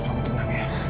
kamu tenang ya